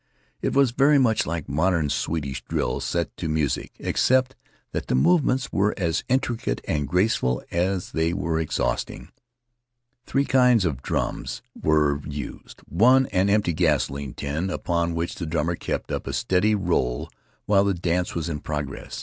It was very much like modern Swedish drill set to music, except that the movements were as intricate and graceful as they were exhausting. Three kinds of drums were used — one, an empty gasoline tin, upon which the drummer kept up a steady roll while the dance was in progress.